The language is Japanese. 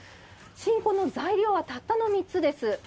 志んこの材料はたったの３つです。